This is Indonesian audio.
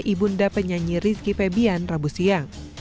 ibunda penyanyi rizki febian rabu siang